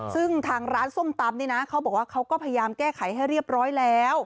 ซึ่งทางร้านส้มตำนี่นะเขาบอกว่าเขาก็พยายามแก้ไขให้เรียบร้อยแล้ว